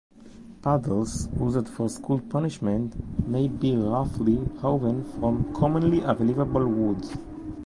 Paddles used for school punishments may be roughly hewn from commonly available wood.